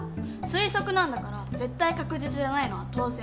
推測なんだから絶対確実じゃないのは当然。